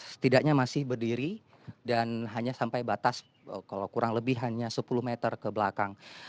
setidaknya masih berdiri dan hanya sampai batas kalau kurang lebih hanya sepuluh meter ke belakang